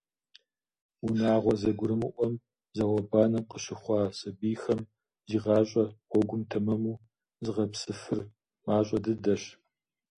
Унагъуэ зэгурымыӏуэм, зауэбанэм къыщыхъуа сабийхэм зи гъащӀэ гъуэгур тэмэму зыгъэпсыфыр мащӏэ дыдэщ.